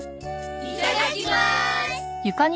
いただきまーす。